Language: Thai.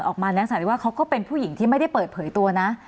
ออกมาในลักษณะที่ว่าเขาก็เป็นผู้หญิงที่ไม่ได้เปิดเผยตัวนะ